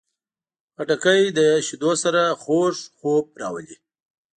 خټکی له شیدو سره خواږه خوب راولي.